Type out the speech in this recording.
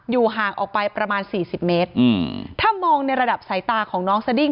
ห่างออกไปประมาณสี่สิบเมตรอืมถ้ามองในระดับสายตาของน้องสดิ้ง